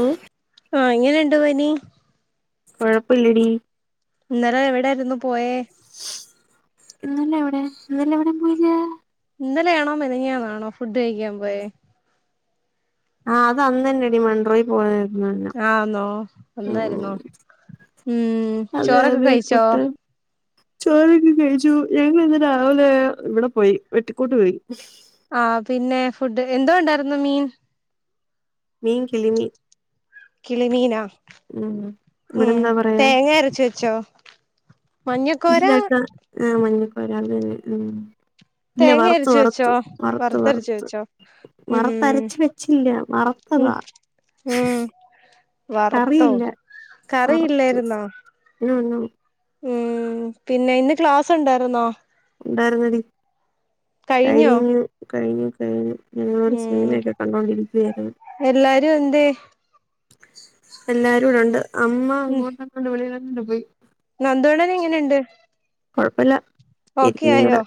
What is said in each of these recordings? ഉം ആ ഇങ്ങനെൻ ണ്ടു പനി കൊഴപ്പ ഇല്ലടീ ഇന്നലെ എവിടായിരുന്നു പോയേ എഹ് ഇന്നലെ എവിടേം പോയില്ല ഇന്നലെയാണോ മെനെഞ്ഞാന്നാണോ ഫുഡ് ഫുഡഴിക്കാൻ പോയേ ആഹ് അത് അന്നന്നടി വൺട്രൈ പോയേ ആന്നോ അന്നായിരുന്നോ ഉം അതെ ചോറൊക്കെ അതെ കഴിച്ചോ കുട്ടാ ചോറൊക്കെ കഴിച്ചു ഞങ്ങളിന്ന് രാവിലെ ഇവിടെ പോയി വെട്ടിക്കോട്ട് പോയി ആ പിന്നെ ഫുഡൊക്കെ എന്തോ ഉണ്ടായിരുന്നു മീൻ മീൻ കിളിമീ കിളിമീനാ മ്മ് ഉം ഇവിടെന്താ പറയാ തേങ്ങ അരച്ച് വെച്ചോ മഞ്ഞക്കോര ഇല്ലക്ക ആ മഞ്ഞ വരാതെ മ് ഇല്ല തേങ്ങ വറുത്തു അരച്ച് വറുത്തു വെച്ചോ വറുത്തു വറുത്തരച്ച് വറുത്ത് വെച്ചോ ഉം വറുത്തരച്ച് വെച്ചില്ല ഉം വറുത്തതാ ഉം വറുത്തോ കറിയില്ല കറിയില്ലായിരുന്നോ വറുത്തിനൊന്നും ഉം പിന്നെ ഇന്ന് ക്ലാസ് ഉണ്ടായിരുന്നോ ഉണ്ടായിരിന്നടി കഴിഞ്ഞോ കഴിഞ്ഞ് കഴിഞ്ഞു കഴിഞ്ഞു ങ്ങങ്ങളൊരു ഉം സിനിമയൊക്കെ കണ്ടോണ്ടിരിക്കായിരുന്ന് എല്ലാരുംഎന്തേ എല്ലാരും ഇവിടൊണ്ട് അമ്മ മുത്തപ്പന്റെ വെളിയില് ണ്ട് പൊയ് നന്ദുവണ്ണന് എങ്ങനണ്ട് കുഴപ്പല്ല ഇ ഇന്നിവിടെ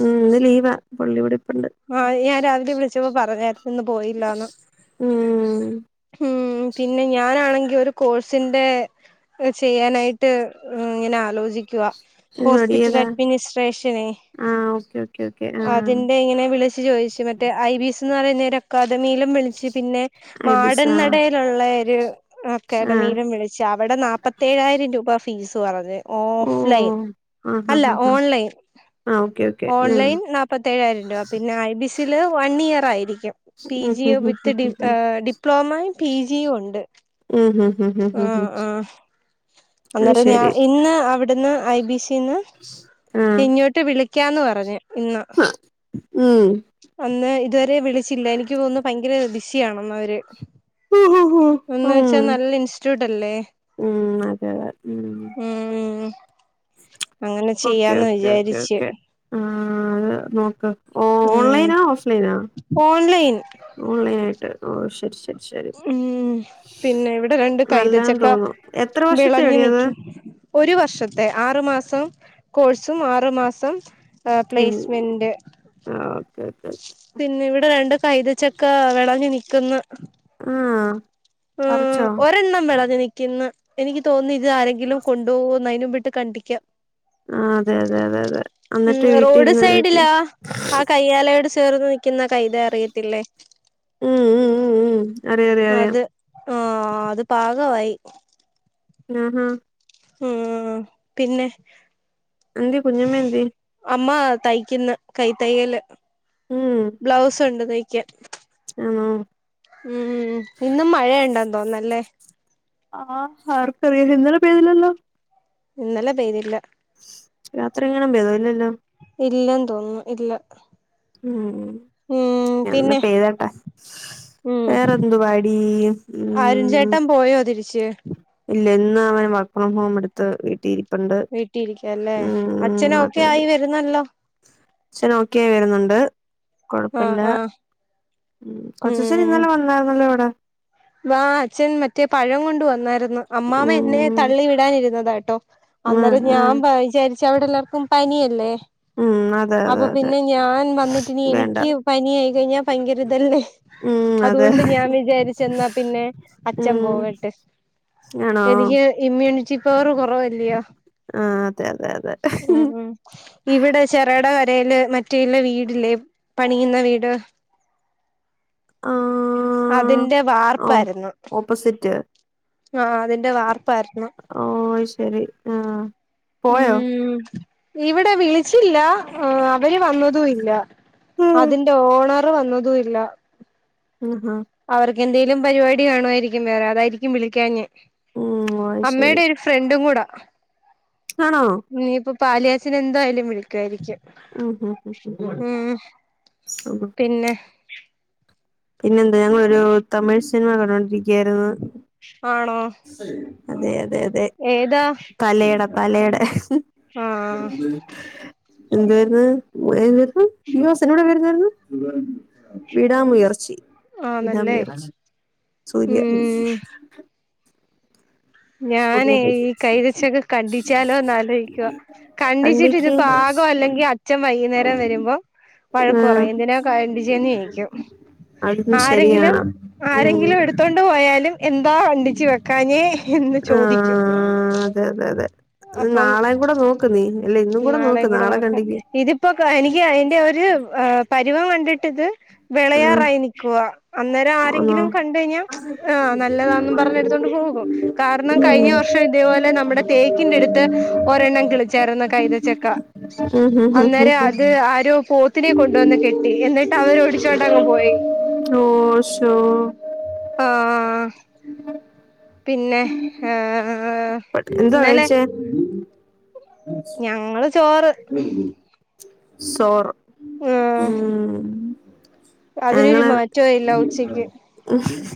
മ്മ് ഇന്ന് ലീവാ പള്ളിവിടെ ആ ഞാൻ രാവിലെ വിളിച്ചപ്പോ പറഞ്ഞാർന്നു ഇന്ന് പോയില്ലാന്ന് ഉം ഉം ഉം പിന്നെ ഞാനാണെങ്ക എ ഒരു കോഴ്സിന്റെ ചെയ്യാനായിട്ട് ഇങ്ങനെ ആലോചിക്കുവ ആഹ ഓക്കേ [unintelligible] അതിന്റെ ഇങ്ങനെ വിളിച്ചു ചോദിച്ചു മറ്റേ ഐ ബിസ് എന്ന് പറയുന്നേര അക്കാദമീലും വിളിച്ച് പിന്നെ ഐബിസ് മാടൻ ആഹ് നടയിലുള്ള ഒരു ആഹ് അക്കാഡമിയിലും വിളിച്ചു അവിടെ നാപ്പത്തേഴായിരം രൂപ ഫീസ് ത് പറഞ്ഞ് ഓ ഓഫ് ലൈൻ ആഹ് ഹാ അല്ല ഹാ ഹാ ഓൺലൈൻ ആഹ് ഓക്കെ ഓക്കെ ഉം ഓൺലൈൻ നാപ്പത്തേഴായിരം രൂപ പിന്നെ I B C one year ആയിരിക്കും ഉം ഹും പിജിയ ഹും വിത്ത് ഹും ഡി ഹും ഹും ഡിപ്ലോമയും പിജിയും ഉണ്ട് ഉം ഹും ഹും ഹും ആ ഹും ഹും ആ അത് അന്നേരം ഞാൻ ശരി ഇന്ന് അവിടുന്ന് ഐ ബി സി ന്ന് ആഹ് ഇങ്ങോട്ട് വിളിക്കാന്ന് പറഞ്ഞ് ഇന്ന് ഉം അന്ന് ഇതുവരെ വിളി ച്ചില്ല എനിക്ക് തോന്നുന്നു ഭയങ്കര ബിസിയാണെന്ന് അവര് ഹ ഹ ഹ എന്ന് വെച്ചാ ഉം നല്ല ഇൻസ്റ്റിറ്റ്യൂട്ട് അല്ലേ ഉം അതെ അതെ ഉം അങ്ങനെ ചെയ്യാന്ന് വിചാരിച്ചു ആ അത് നോക്ക ഉം ഓൺലൈൻ ഓൺലൈൻ ആയിട്ട് ഓ ശരി ശരി ശരി ഉം പിന്നെ ഇവിടെ രണ്ട് നല്ലാന്ന് കൈതച്ചക്ക തോന്നുന്നു എത്ര വർഷത്തെ വിളഞ്ഞു എടി അത് നിക്കിന്ന് ഒരു വർഷത്തെ ആറു മാസം കോഴ്സും ആറു മാസം ഇൻ പ്ലേസ്മെന്റ് ഓക്കെ ഓക്കെ പിന്നെ ഇവിടെ രണ്ട് കൈതചക്ക വിളഞ്ഞ് നി തിന്ന് ആ ഉം ഒരെണ്ണം വെളഞ്ഞ് നി നിക്കിന്ന് എനിക്ക് തോന്നി ഇത് ആരെങ്കിലും കൊണ്ട്പോവൊന്ന് അയി നു ബെ അത് കണ്ടിക്കാ ആ അതെ അതെ അതെ അതെ ഉം എന്നിട്ട് റോഡ് വീട്ടിരുന്ന് വീട്ടിൽ സൈഡിലാ ആ കയ്യാലയോട് ചേർന്ന് നിക്കിന്ന കൈത അറിയത്തില്ലേ ഉം ഉം ഉം ഉം അറിയാം അറിയാം അറിയാം ആഹ അത് പാകവായി ങ ഹാ ഉ പിന്നെ എന്തി കുഞ്ഞമേ എന്തി തായിക്കുന്ന കൈ തയ്യല് ഉം ബ്ലൗസ് ഉണ്ട് തായ് ആണോ ഉം ഇന്നും മഴ ഉണ്ടാന്ന് വന്നല്ലേ ആഹ ആർക്കറിയ ഇന്നലെ പേയ്തിലല്ലോ ഇന്നല്ല പെയ്തില്ല യാത്ര ഇങ്ങണ [unintelligible] ഇല്ലന്ന് തോന്നും ഇല്ല ഉ ഉം എന്ന പിന്നെ പേരാട്ടോ ഉം വേറെന്തു പാടി അരുൺ ഉ ചേട്ടൻ പോയോ തിരിച്ച് ഇല്ല [unintelligible] അം ഹോം എടുത്ത് വീട്ടിരിപ്പുണ്ട് വീട്ടിലിരിക്കല്ലേ ഉം ഉം അച്ഛനും ഒക്കെ അതെ ആയി വരുന്നല്ലോ തെശരി നോക്കിയ വരുന്നു ഹ് ആഹ് കൊഴപ്പല്ല ആഹ് കൊച്ചച്ചന് ഉം ഇന്നലെ വന്നായിരുന്നല്ലോ ഇവിടെ വാ അച്ഛൻ മറ്റേ പഴം കൊണ്ട് വന്നായിരുന്നു ഉംഅമ്മാമ എന്നെ ഉം തള്ളി വിടാനിരുന്നാണ് ഉം അന്നേരം ഉം ഞാൻ വായിജാരി ക്ഷെ അവിടെ എല്ലാവർക്കും പനിയല്ലേ ഉം അതെ അപ്പൊ അതെ അതെ പിന്നെ ഞാൻ വന്നിട്ടിനി വേണ്ട എനിക്ക് പനി ആയി കഴിഞ്ഞാൽ ഭയങ്കര ഇതല്ലേ ഉം അതെ അതുകൊണ്ട് ഞാൻ വിചാരിച് എന്നാ പിന്നെ അച്ഛൻ ഉം പോവട്ട് ആണോ എനിക്ക് ഇമ്മ്യൂണിറ്റി പവർ കുറവല്ല്യയോ ആ അതെ അതെ അതെ ഉം ഉം ഇവിടെ ചെറേട യില് മറ്റ ള്ള വീടിലെ. പണിയുന്ന വീട് ആ അതിന്റെ വാർപ്പാരുന്നു. ജ്ജ്. ആ അതിന്റെ വാർ ഓ ശരി ആഹ്. ഉം. ഇവിടെ വിളി ചില്ല അവര് വന്നതുയില്ല അതിന്റെ ഓണ അത്ര വന്നതും ഇല്ല. ആഹാ അവർക്കെന്തേലും പരിപാടി കാണുവായിരി [unintelligible] വേറെ അതായിും വിളിക്കാഞ്ഞേ. ഉം ഓ ശരി അമ്മേടെ ഒരു ഫ്രണ്ടും കൂടാ. ആണോ. പാല് കാച്ചിന് എന്തായാലും വിളിക്കുവായിരിക്കും ഉം ഉം ഉം പിന്നെ പിന്നെ എന്താ ഞങ്ങളൊരു തമിഴ് സിനിമ കണ്ടോണ്ടിരി ക്കാരുന്നു ആണോ അതെ അ അതെ അതെ ഏതാ തലേടം പലേടെ ആഹ് എന്തായിരുന്നു [unintelligible] യോ സിനിമേടെ പേരെന്തായിരുന്നു വിടാ മുയർ ശെരി ആന്നല്ലേ വിടാമുയർച്ചി സൂര്യ ഉം ഞാനെ സൂര്യ ഈ കൈതച്ചക്ക കണ്ടിച്ചാലോന്ന് ആലോചിക്കുവാ കണ്ടിച്ചിട്ട് ഇത് കണ്ണിക്ക് പാകം അല്ലെങ്കിൽ അച്ഛൻ വൈകുന്നേരം വരുമ്പോ വഴക്ക് ആഹ് പറയും എന്തിനാ കണ്ടിച്ചെന്ന് ചോയിക്കും അതും ആരെങ്കിലും ശരിയാണ് ഉം ആരെങ്കിലും എടുത്തോണ്ട് പോയാലും എന്താ ആ ണ്ടിച്ചു വെക്കാഞ്ഞേ ന്ന് ചോദിക്കും ആഹ് അതെ അതെ അതെ അപ്പം നാളെയും കൂടെ നോക്ക് നീ അല്ല ഇന്നും നാളേം നോക്ക് കൂടെ നാളെ നോക്കാം കണ്ടിക്ക് ഇതിപ്പോ കാ എനിക്ക് എന്റെ ഒരു പരിവം കൺ [unintelligible] ആഹ് വേളയാറായി നിക്കുവാ അന്നേരം ആന്നോ ആങ്കിലും കണ്ട് കഴിഞ്ഞാൽ ആ നല്ലതാനും പറഞ്ഞ് എടുത്തോണ്ട് പോവും കാരണം കഴിഞ്ഞ വർഷം ഇതേപോലെ നമ്മുടെ തെ ഇതിന്റെടുത് ഒരെണ്ണം കിളിച്ചായിരുന്നു കൈതച്ചക്ക ഉം ഹും ഹും ഹും അന്നേരം ഹും അത് ആരോ പോത്തിനെ കൊണ്ട് വന്ന് കെട്ടി എന്നിട്ട് അവരോടിച്ചോണ്ടങ്ങു പോയി. ഓ ശോ ആഹ് പിന്നെ ആ എന്തുവാ കഴിച്ചേ ഞങ്ങള് ചോറ് [inaudible] സോർ ആഹ അതിനൊരു ഞങ്ങള് മാറ്റവല്ല ഉച്ചക്ക്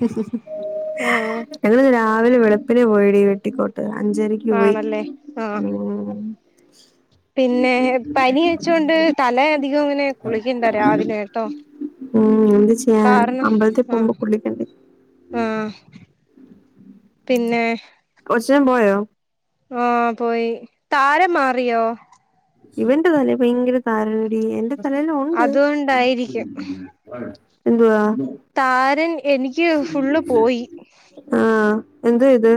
ശ ശ ഉം [unintelligible] എങ്ങദരാ അവന് വെളപ്പിനെ പോയടിവെട്ടിക്കോട്ടു അഞ്ചരക്ക് പോയി ആണല്ലേ ആഹ് ഉ അ പിന്നെ പനി അഴച്ചൊണ്ട് തല അധികം ഇങ്ങനെ കുളിക്കണ്ട രാവിലെ കേട്ടോ ഉം എന്ത് ചെയ്യാനാ കാരണം അമ്പലത്തിൽ ആഹ പോകുമ്പോ കുളിക്കണ്ടേ ആഹ പിന്നെ കൊച്ചൻ പോയോ ആഹ പോയി താരംമാറിയോ ഇവന്റെ തല ഭയങ്കര താരണടി എന്റെ തലേലുംഉണ്ട് അതുകൊണ്ടായിരിക്കും എന്തുവാ താരൻ എനിക്ക് ഫുള്ള്പോയി എന്ത്വാ ഇത്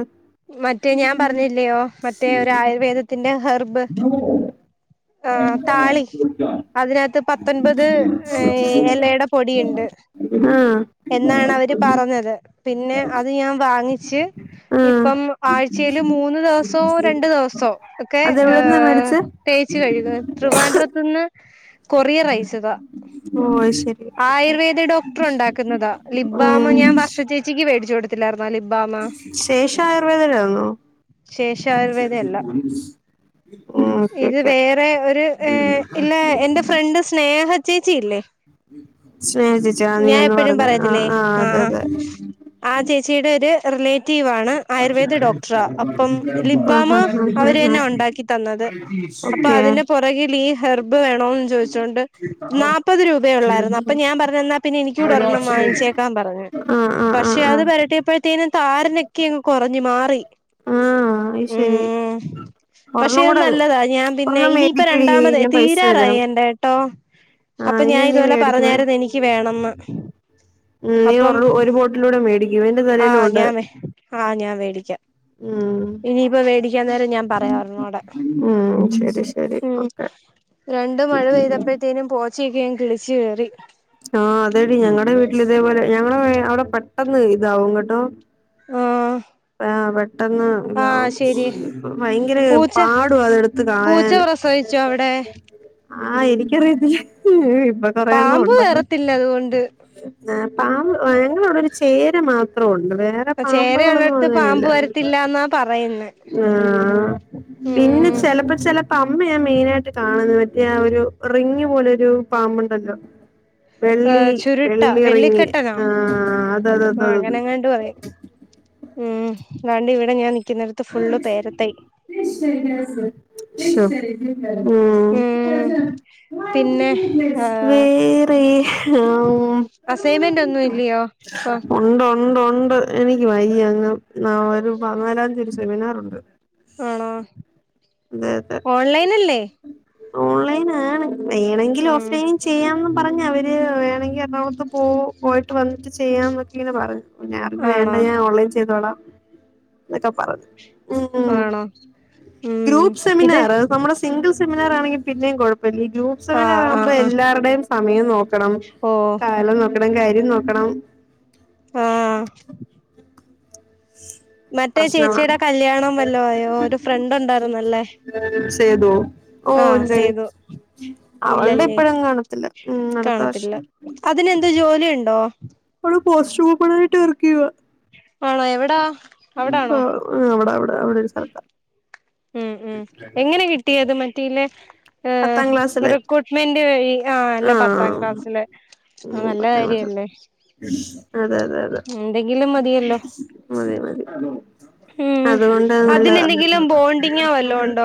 മറ്റേ ഞാൻ പറഞ്ഞില്ലയോ മറ്റേ ഒരു ആയുർവേദത്തിന്റെ ഹെർബ് ആ താളി അതിനകത്ത് പത്തൊൻപത് ഏ എലയുടെ പൊടിയുണ്ട് ആഹ് എന്നാണ് അവര് ര് പറഞ്ഞത് പിന്നെ അത് ഞാൻ വാങ്ങിച്ച്ച് ആഹ് ഇപ്പം ആഴ്ചൽ മൂന്ന് ദിവസോ രണ്ടു ദിവസോ ഒക്കെ ഏ അതെവിടെന്നാ മേടിച്ചെ തേയിച്ച് കഴുകും തൃവാഡ്രത്തു നിന്ന് കൊറിയറയച്ചതാ ഓ ശരി ഓക്കെ ആയുർവേദ ഡോക്ടർ ഉണ്ടാക്ക ക്കുന്നതാ ലിബാമ് ഉം ഞാൻ വർഷച്ചേച്ചിക്ക്േടിച്ച കൊടുക്ക ചർ മലിബാമ ശേഷം ആയുർവേദയിലാന്നോ ശേഷയുർവേദ അല്ല ഉം ഓക്കെ ഇത് ഓക്കെ വേറെ ഒരു ഇല്ല എന്റെ ഫ്രണ്ട് സ്നേഹ ചേച്ചി ഇല്ലേ സ്നേഹ ചേച്ചി എപ്പോഴും പറഞ്ഞ ആഹ് പറയത്തില്ലേ ആഹ് ആ അതെ അതെ ആ ചേച്ചിയുടെ ഒരു റിലേറ്റ് റ്റീവണ് ആഹ് ആയുർവേദ ഡോക്ടറ അപ്പം ആഹ് ആഹ് ലിബാമ് ആഹ് അവര് തന്നെ ഉണ്ടാക്കി തന്നത് അപ്പൊ ഓക്കെ അതിന്റെ പുറകിൽ ഈ ഹെർബ് വേണോന്ന് ചോദിച്ചൊണ്ട് നാപ്പത് രൂപയ ഉള്ളായിരുന്നു അപ്പൊ ഞാൻ പറഞ്ഞു തന്നാ പിന്നെ എനിക്ക് ക്കൂടെ ഒരെണ്ണം വാങ്ങിച്ചേക്കാൻ പറഞ്ഞഞ് ആഹ് ആഹ് പക്ഷെ ആഹ് അത് ആഹ് വരട്ടിയപ്പോഴത്തേനും താരനെ ങ് കുറഞ്ഞു മാറി ആഹ് അത് ഉ ശരി പക്ഷെ ഒരെണ്ണം ഇത് കൂടെ നല്ലതാ ഞാൻ പിന്നെ ഒരെണ്ണം ഇനിയിപ്പ മേടിക്കടി രണ്ടാമത് ഞാൻ പൈസ തീരാറായി തരാം എന്റെ ട്ടോ ആഹ് അപ്പൊ ഞാൻ ഇതുപോലെ പറഞ്ഞായിരുന്നു എനിക്ക് വേണംന്ന് [inaudible] ഉ നീ അപ്പം ഒരു ബോട്ടിലൂടെ മേടിക്കും എന്റെ നിലയിലുംഉണ്ട് ആ ഞാൻ മേടിക്കാം ഇനിയിപ്പോ മേടിക്കാൻ നേരം ഞാൻ പറയാഞ്ഞ അടെ ഉം ശരി ശരി ഉ ഓക്കെ രണ്ട് മഴ പെയ്തപ്പോഴത്തേനും പോ ച്ചക്കയങ് കിളിച്ച് കയറി ആ അതെടി ഞങ്ങളടെ വീട്ടിൽ ഇതേപോലെ ഞങ്ങളടെ അവിടെ പെട്ടെന്ന് ഇതാവുംങ്ങട്ടോ ആഹ് ആ പെട്ടെന്ന് ഇത ആഹ് ശരി ഭയങ്കര പൂച്ച പാട അതെടുത്ത് പൂച്ച കളയാന് പ്രസവിച്ചോ അവിടെ ആഹ് എനിക്കറിയത്തി ഇ കുറയണ്ണഉണ്ട ട്ടത്തില്ല അതുകൊണ്ട് ആ പാമ്പ് ഞങ്ങള അവിടെ ഒരു ചേര മാപ്പ ത്രോ ള്ളൂ വേറെ പാമ്പകളൊന്നും ചേരയുള്ളടത്ത് അങ്ങനെല്ല പാമ്പ് വരത്തില്ലാന്നാ പറയുന്നെ ആഹ് പിന്നെ ഉം ചെലപ്പോ ചെലപ്പ അമ്മയാ മെയിനായിട്ട് കാണ്ന്നേ ഞാ ഒരു റിങ്ങ് പോലെയൊരു പാമ്പുണ്ടല്ലോ വെള്ളി ഏഹ് ചുരുട്ടാ വെള്ളിറങ്ങി വെള്ളിക്കെട്ടനോ ആഹ് അതത് അത ആഹ് അതത് അങ്ങനെങ്ങാണ്ട് പറയും ഉം രണ്ട് ഇവിടെ ഞാൻ നി ശോ ഉം ഉം പിന്നെ ആഹ് വേറെ അം അസൈൻമെന്റ് ഒന്നും ഇല്ലയോ ഇപ്പൊ ഉണ്ടോ ഉണ്ട ഉണ്ട് എനിക്ക് വയ്യ അങ്ങ് ന ഒരു [unintelligible] സെമിനാർണ്ട് ആണോ അതെ ഓൺലൈൻല്ലേ ഓൺലൈൻ ആണ് വേണെങ്കിൽ ഉം ഓഫ്ലൈൻ ചെയ്യാ പറഞ്ഞ അവര് വേണങ്കിൽ എറണാകുളത്ത് പോ പോയിട്ട് വന്നിട്ട് ചെയ്യാം എന്നൊക്കെ ഇങ്ങനെ പറഞ്ഞു [unintelligible] വേണ്ട ആണോ ഞാൻ ഓൺലൈൻ ചെയ്തോളാം [unintelligible] ഉം ആണോ ഉം ഇത് സെമിനാർണെകീ പിന്നെയും കുഴം വല്ല്യ ഗ്രൂപ് ആഹ് [unintelligible] കുമ്പോ ആഹ് ആഹ് എല്ലാവരുടെയും സമയം നോക്കണം ഓ കാലം നോക്ക [unintelligible] കാര്യം നോക്കണം ആ മറ്റേ പ്രശ്നമാ ചേച്ചിയുടെ കല്യാണം വല്ലോം ആയോ ഒരു ഫ്രണ്ട് ഉണ്ടായിരുന്നല്ലേ സേതു ഓ ആ ഇല്ലടി സേതു അവളുടെ ഇല്ലല്ലേ ഇപ്പഴും കാണത്തില്ല ഉം അടുത്ത കാണത്തില്ല വർഷം അതിനെന്ത് ജോലി ഉണ്ടോ? പോസ്സ്റ്റ് കൂപ്പണായിട്ട് വർക്കിയുവ ആണോ എവിടാ ആ അവിടാണോ അവടെ [unintelligible] ആ അവിടെ ഒരു സ്ഥലത്താ മ് മ് എങ്ങനെ കിട്ടിയത് മറ്റെയില്ലെ ഏ പത്താം ക്ലാസ്സില് റിക്രൂട്ട്മെന്റ് വഴി ആ അല്ല പത്താം ആഹ് ക്ലാസ്സില് ഉം നല്ല പത്താം ക്ലാസ് കാര്യല്ലേ അതെ അതെ മതി എന്തെങ്കിലും മതി മ് അതുകൊണ്ട് അതിന് നല്ലതാ എന്തെങ്കിലും ബോണ്ടിങ്ങോ വല്ലോ ഉണ്ടോ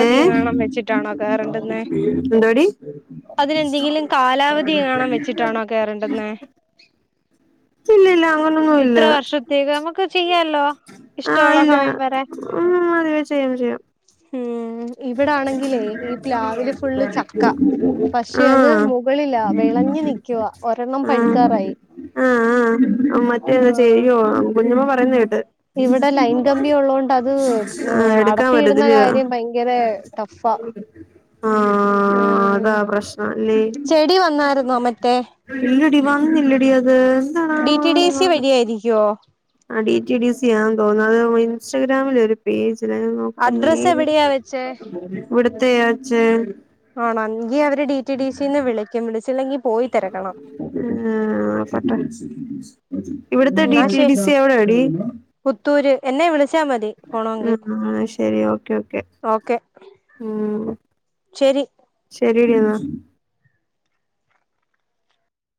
ഏഹ് വെച്ചിട്ടാണോ കേറു ന്നേ എന്തോടി അതിനെന്തെങ്കിലും കാലാവധിയേങ്ങാണും വെച്ചിട്ടാണോ കേറേണ്ടുന്നേ? ഇല്ല ഇല്ല അങ്ങനൊന്നും ഇല്ല ഇത്ര വർഷത്തേക്ക് നമുക്ക് ചെയ്യാലോ ആ ഇല്ല മ് അതിവേ ചെയ്യാം ചെയ്യാം മ്മ് മ് ഇവിടാണെങ്കിലേ ഈ പ്ലാവില് ഫുള്ള് ചക്ക പക്ഷെ അത് ആഹ് മുകളിലാ വെളഞ്ഞു നിക്കുവ ഒരെണ്ണം പഴുക്കാറായി ആ മറ്റേത് ആഹ് ചെയ്യുവോ കുഞ്ഞപ്പാ യുന്നേ കേട്ട് ഇവിടെ ലൈൻ കമ്പി ഉള്ളോണ്ട് അത് ആ ആഹ് എടുക്കാൻ അടത്തിയിടുന്ന പറ്റത്തില്ലയോ കാര്യം ഭയങ്കര ങ്കരേ ടഫ, ആഹ് അതാ മ് പ്രശ്നം അല്ലേ ചെടി വന്നായിരുന്നോ മറ്റേ ടി വന്നില്ലടി അത് ഡി റ്റി ഡി സി എന്താണാവോ വഴിയായിരിക്കുവോ? ആ ഡി റ്റി ഡി സിയാന്ന് തോന്നുന്നു, അതാവുമ്പോ ഇൻസ്റ്റാഗ്രാമിലൊരു പേജ് അഡ്രസ്സ് എവിടെയാ വെച്ചേ [unintelligible] ദേ അച്ചേ ആണോ എങ്കീ അവര് ഡി റ്റി ഡി സിന്ന് വിളിക്കും വിളി [unintelligible] ഇവിടത്തെ ഡി എന്നാ റ്റി ഡി ശരി സി എവിടാടീ? വിളിച്ച മതി പോണോങ്കി ഓക്കെ ഓക്കെ ഓക്കെ ശെരി. ശരീടി എന്നാ.